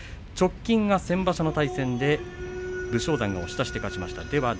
直近は先場所の対戦武将山が押し出しで勝ちました。